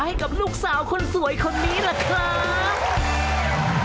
ให้กับลูกสาวคนสวยคนนี้ล่ะครับ